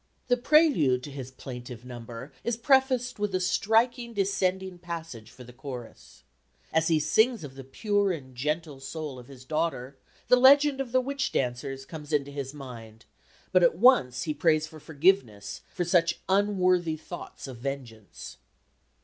The prelude to his plaintive number is prefaced with a striking descending passage for the chorus. As he sings of the pure and gentle soul of his daughter, the legend of the witch dancers comes into his mind, but at once he prays for forgiveness for such unworthy thoughts of vengeance.